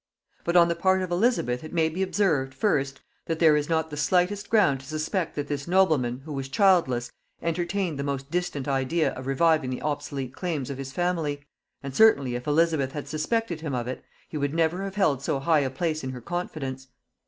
But on the part of Elizabeth it may be observed, First, that there is not the slightest ground to suspect that this nobleman, who was childless, entertained the most distant idea of reviving the obsolete claims of his family; and certainly if Elizabeth had suspected him of it, he would never have held so high a place in her confidence.